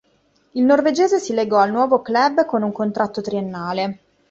Il norvegese si legò al nuovo club con un contratto triennale.